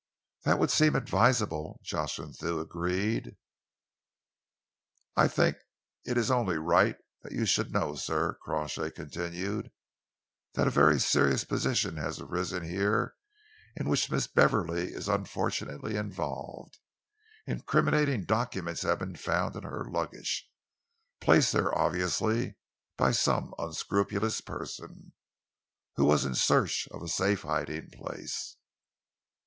"That would seem advisable," Jocelyn Thew agreed. "I think it is only right that you should know, sir," Crawshay continued, "that a very serious position has arisen here in which Miss Beverley is unfortunately involved. Incriminating documents have been found in her luggage, placed there obviously by some unscrupulous person, who was in search of a safe hiding place."